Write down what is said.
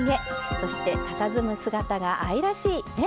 そしてたたずむ姿が愛らしいね